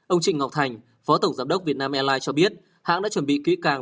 ông trịnh ngọc thành phó tổng giám đốc việt nam airlines cho biết hãng đã chuẩn bị kỹ càng